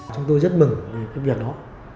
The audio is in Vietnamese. chúng tôi rất mừng vì cái việc đó